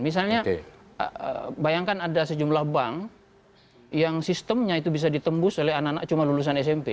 misalnya bayangkan ada sejumlah bank yang sistemnya itu bisa ditembus oleh anak anak cuma lulusan smp